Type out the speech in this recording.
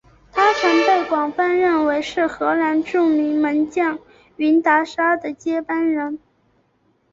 他曾被广泛认为是荷兰著名门将云达沙的接班人。